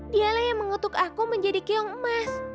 dialah yang mengutuk aku menjadi keong mas